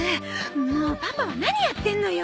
もうパパは何やってんのよ！